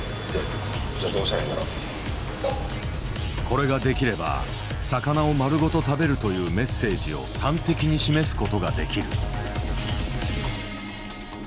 これができれば魚を丸ごと食べるというメッセージを端的に示す事ができる。